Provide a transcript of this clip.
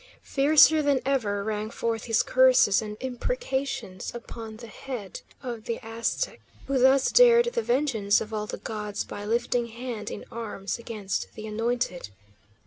Fiercer than ever rang forth his curses and imprecations upon the head of the Aztec who thus dared the vengeance of all the gods by lifting hand in arms against the anointed.